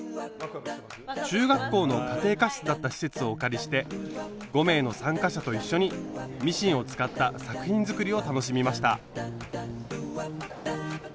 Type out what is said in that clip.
中学校の家庭科室だった施設をお借りして５名の参加者と一緒にミシンを使った作品づくりを楽しみました。